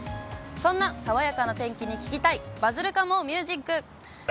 そんな爽やかな天気に聴きたい、バズるかもミュージック。